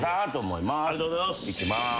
いきます。